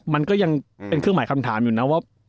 มันก็ยังเป็นเครื่องหมายคำถามอยู่นะว่า